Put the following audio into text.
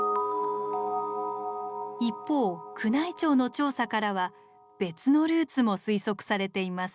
一方宮内庁の調査からは別のルーツも推測されています。